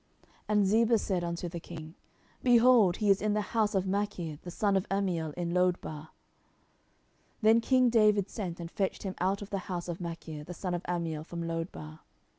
And Ziba said unto the king, Behold, he is in the house of Machir, the son of Ammiel, in Lodebar. 10:009:005 Then king David sent, and fetched him out of the house of Machir, the son of Ammiel, from Lodebar.